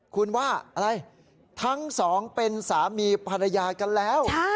คุณว่าอะไรทั้งสองเป็นสามีภรรยากันแล้ว